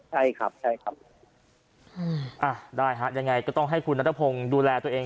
ใช่ครับใช่ครับได้ฮะยังไงก็ต้องให้คุณนัทพงศ์ดูแลตัวเอง